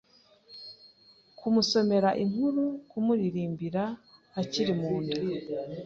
kumusomera inkuru, kumuririmbira akiri mu nda